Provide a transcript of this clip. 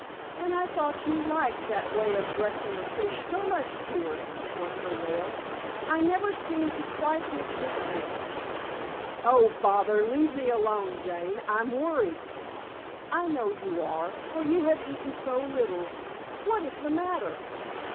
"And I thought you liked that way of dressing a fish so much, dear," was her wail. "I never seem to quite hit your taste." "Oh, bother: leave me alone, Jane. I'm worried." "I know you are, for you have eaten so little. What is the matter?"